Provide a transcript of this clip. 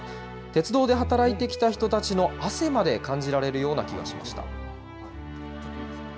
鉄道で働いてきた人たちの汗まで感じられるような気がしました。